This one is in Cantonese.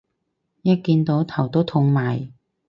一見到頭都痛埋